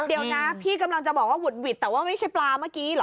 เดี๋ยวนะพี่กำลังจะบอกว่าหุดหวิดแต่ว่าไม่ใช่ปลาเมื่อกี้เหรอ